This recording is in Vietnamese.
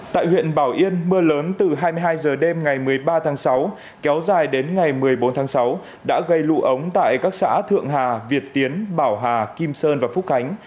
tại huyện bảo yên mưa lớn từ hai mươi hai h đêm ngày một mươi ba tháng sáu kéo dài đến ngày một mươi bốn tháng sáu đã gây lũ ống tại các xã thượng hà việt tiến bảo hà kim sơn và phúc khánh